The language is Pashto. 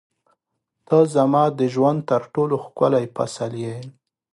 • ته زما د ژوند تر ټولو ښکلی فصل یې.